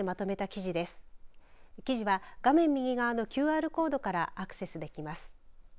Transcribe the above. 記事は、画面右側のＱＲコードからアクセスできます。